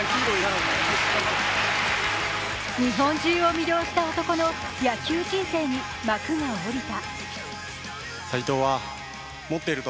日本中を魅了した男の野球人生に幕が下りた。